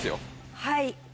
はい。